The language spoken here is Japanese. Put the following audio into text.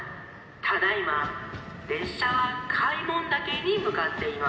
ただいまれっしゃは開聞岳にむかっています。